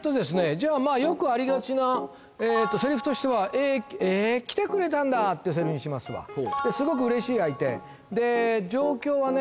じゃあまあよくありがちなえっとセリフとしては「えー！来てくれたんだ！」っていうセリフにしますわですごく嬉しい相手状況はね